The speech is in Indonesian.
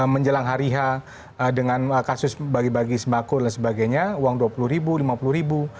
menjelang hari h dengan kasus bagi bagi sembako dan sebagainya uang dua puluh ribu lima puluh ribu